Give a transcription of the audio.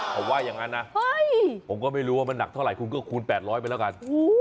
เขาว่าอย่างนั้นนะผมก็ไม่รู้ว่ามันหนักเท่าไหร่คุณก็คูณ๘๐๐ไปแล้วกัน